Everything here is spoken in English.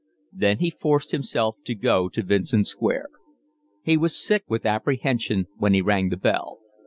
Then he forced himself to go to Vincent Square. He was sick with apprehension when he rang the bell.